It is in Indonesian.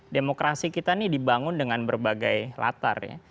demokrasi kita ini dibangun dengan berbagai latar ya